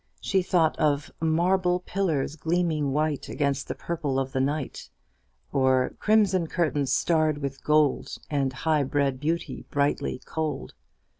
She thought of "marble pillars gleaming white against the purple of the night;" of "crimson curtains starred with gold, and high bred beauty brightly cold."